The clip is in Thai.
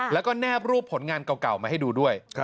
แล้วก็แนบรูปผลงานเก่ามาให้ดูด้วย